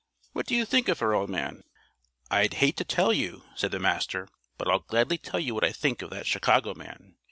What do you think of her, old man?" "I'd hate to tell you," said the Master, "but I'll gladly tell you what I think of that Chicago man.